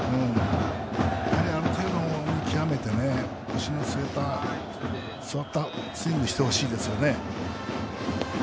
ある程度見極めて、腰の据わったスイングをしてほしいですね。